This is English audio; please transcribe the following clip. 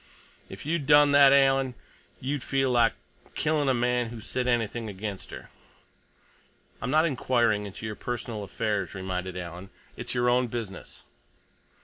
If you'd done that, Alan, you'd feel like killing a man who said anything against her." "I'm not inquiring into your personal affairs," reminded Alan. "It's your own business."